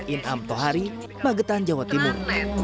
inham pohari magetan jawa timur